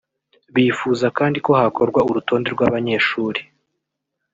Bifuza kandi ko hakorwa urutonde rw’abanyeshuri